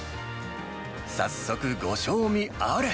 早速、ご賞味あれ。